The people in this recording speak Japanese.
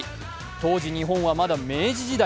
当時、日本はまだ明治時代。